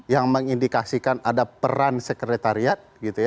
yang mengindikasikan ada peran sekretariat